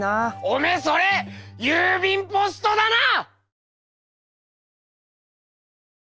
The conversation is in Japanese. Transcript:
おめえそれ郵便ポストだな！